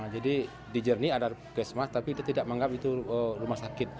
jadi di jernih ada pekesmas tapi dia tidak menganggap itu rumah sakit